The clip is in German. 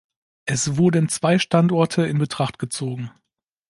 Es wurden zwei Standorte in Betracht gezogen.